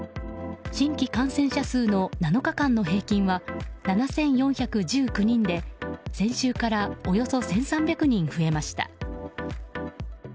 新規感染者数の７日間の平均は７４１９人で先週からおよそ１３００人増えました。